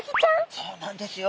そうなんですよ。